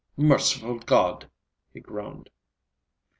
"Merciful God!" he groaned.